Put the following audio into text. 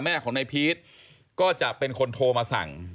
แม่ของนายพีชก็จะเป็นคนโทรมาสั่ง